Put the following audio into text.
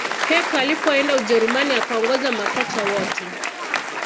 pep alipoenda ujerumani akaongoza makocha wote